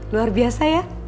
luar biasa ya